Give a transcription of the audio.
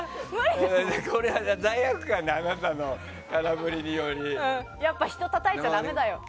これは罪悪感があなたの空振りによりやっぱり人をたたいちゃだめだよ。